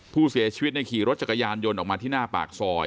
ผู้เสียชีวิตขี่รถจักรยานยนต์ออกมาที่หน้าปากซอย